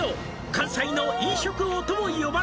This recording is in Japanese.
「関西の飲食王とも呼ばれる」